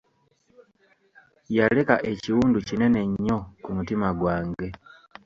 Yaleka ekiwundu kinene nnyo ku mutima gwange.